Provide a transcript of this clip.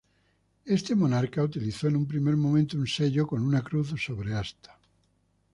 Este monarca utilizó en un primer momento un sello con una cruz sobre asta.